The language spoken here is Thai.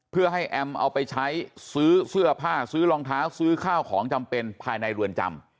เพื่อให้แอมเอาไปใช้ซื้อเสื้อผ้าซื้อรองเท้าซื้อข้าวของจำเป็นภายในเรือนจำ